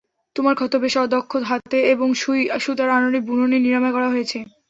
তোমার ক্ষত বেশ অদক্ষ হাতে এবং সুই সুতার আনাড়ি বুননে নিরাময় করা হয়েছে।